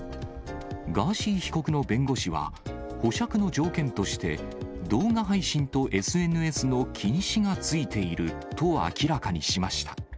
ガーシー被告の弁護士は、保釈の条件として、動画配信とＳＮＳの禁止がついていると明らかにしました。